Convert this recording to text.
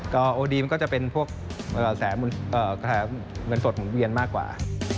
ก็โอดีมันก็จะเป็นพวกเงินสดหมุนเวียนมากกว่า